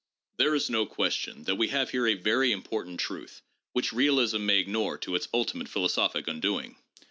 There is no question that we have here a very important truth which realism may ignore to its ultimate philosophic undoing.